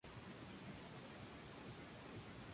En estado puro".